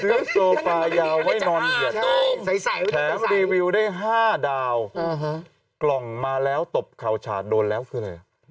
โซฟายาวไว้นอนเหยียดแถมรีวิวได้๕ดาวกล่องมาแล้วตบเข่าฉาดโดนแล้วคืออะไร